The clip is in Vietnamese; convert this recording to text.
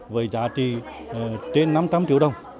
với giá trị trên năm trăm linh triệu đồng